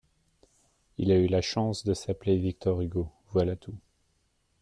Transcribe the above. Il a eu la chance de s’appeler Victor Hugo, voilà tout.